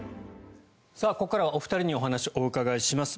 ここからはお二人にお話を伺います。